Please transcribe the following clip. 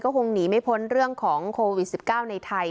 คงหนีไม่พ้นเรื่องของโควิด๑๙ในไทย